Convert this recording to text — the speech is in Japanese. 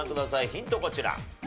ヒントこちら。